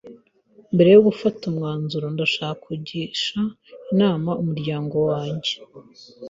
Mbere yo gufata umwanzuro, ndashaka kugisha inama umuryango wanjye.